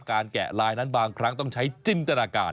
แกะลายนั้นบางครั้งต้องใช้จินตนาการ